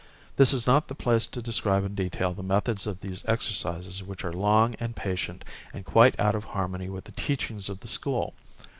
This is not the place to describe in detail the methods of these exercises which are long and patient and quite out of harmony with the teachings of the school.